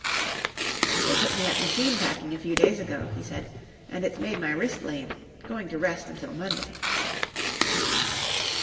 "They put me at machine packing a few days ago," he said, "and it's made my wrist lame. Going to rest until Monday."